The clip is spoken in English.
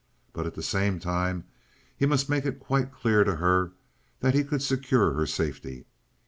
But, at the same time, he must make it quite clear to her that he could secure her safety.